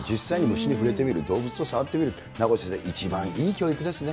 虫に触れてみる、動物を触ってみる、名越先生、一番いい教育ですね。